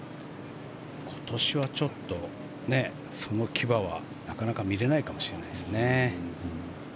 今年はちょっとその牙はなかなか見れないかもしれないですね。